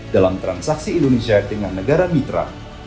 dalam transaksi indonesia dengan negara mitra